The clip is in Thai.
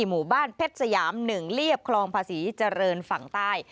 หมู่บ้านเพชรสยาม๑เรียบคลองภาษีเจริญฝั่งใต้